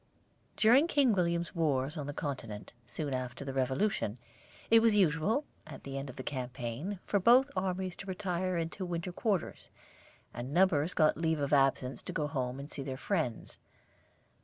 = During King William's wars on the Continent, soon after the Revolution, it was usual, at the end of the campaign, for both armies to retire into winter quarters, and numbers got leave of absence to go home and see their friends.